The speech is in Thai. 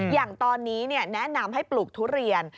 อย่างตอนนี้แนะนำให้ปลูกทุเรียน